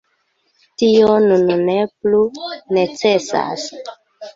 Tio nun ne plu necesas.